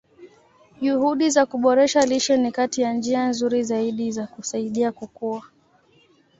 Juhudi za kuboresha lishe ni kati ya njia nzuri zaidi za kusaidia kukua.